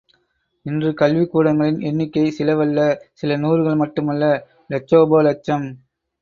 இன்று கல்விக்கூடங்களின் எண்ணிக்கை சிலவல்ல, சில நூறுகள் மட்டுமல்ல, இலட்சோப இலட்சம்.